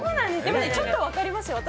ちょっと分かります。